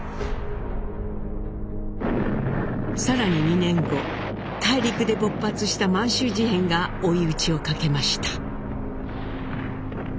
更に２年後大陸で勃発した満州事変が追い打ちをかけました。